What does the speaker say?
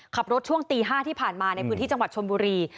ช่วงตี๕ที่ผ่านมาในพื้นที่จังหวัดชนบุรี